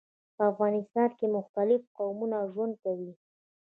په افغانستان کي مختلیف قومونه ژوند کوي.